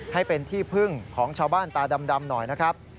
ให้เป็นที่พึ่งของชาวบ้านตาดำหน่อยนะครับ